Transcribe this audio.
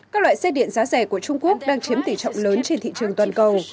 các loại xe điện giá rẻ của trung quốc đang chiếm tỷ trọng lớn trên thị trường toàn cầu